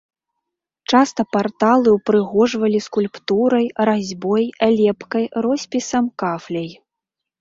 Часта парталы ўпрыгожвалі скульптурай, разьбой, лепкай, роспісам, кафляй.